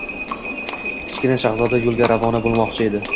Kichkina shahzoda yo‘lga ravona bo‘lmoqchi edi